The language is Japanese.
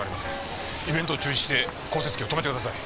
イベントを中止して降雪機を止めてください。